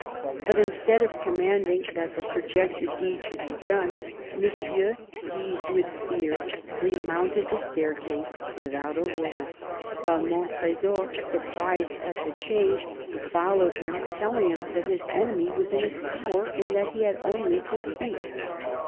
But instead of commanding that the projected deed should be done. Monsieur, seized with fear, remounted the staircase without a word ; while Montresor, surprised at the change, followed him, telling him that his enemy was in his power, and that he had only to speak."